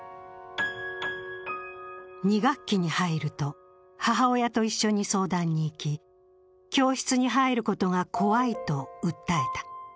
２学期に入ると、母親と一緒に相談に行き教室に入ることが怖いと訴えた。